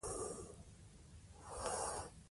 دا ګرامري برخه ډېره ګټوره ده.